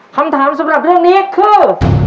คำถามสำหรับเรื่องนี้คือ